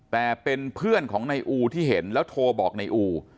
แต่เป็นเพื่อนของนายอูที่เห็นแล้วโทรบอกนายอู